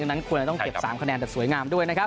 นั้นควรจะต้องเก็บ๓คะแนนแบบสวยงามด้วยนะครับ